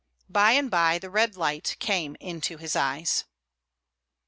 By and by the red light came into his eyes.